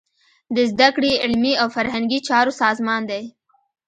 د زده کړې، علمي او فرهنګي چارو سازمان دی.